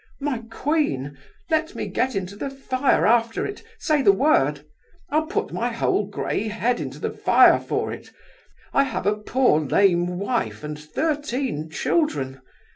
My queen, let me get into the fire after it—say the word—I'll put my whole grey head into the fire for it! I have a poor lame wife and thirteen children.